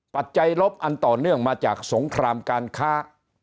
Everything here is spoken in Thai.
ปัจจัยลบอันต่อเนื่องมาจากสงครามการค้า